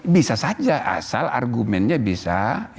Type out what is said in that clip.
bisa saja asal argumennya bisa